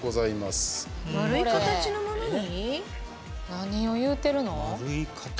何を言うてるの？